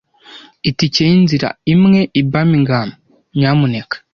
Itike yinzira imwe i Birmingham, nyamuneka.